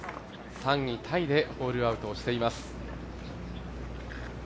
３位タイでホールアウトをしています。